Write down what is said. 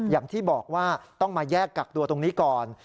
อย่างที่บอกว่าต้องมาแยกกักตัวตรงนี้ก่อน